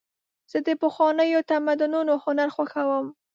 زه د پخوانیو تمدنونو هنر خوښوم.